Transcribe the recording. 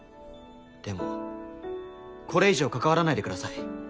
でもこれ以上関わらないでください。